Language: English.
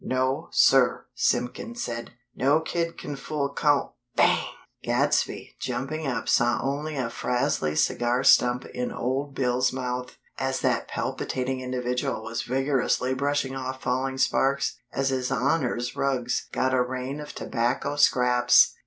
"No, sir!" Simpkins said. "No kid can fool Coun " BANG!! Gadsby, jumping up saw only a frazzly cigar stump in Old Bill's mouth, as that palpitating individual was vigorously brushing off falling sparks as His Honor's rugs got a rain of tobacco scraps!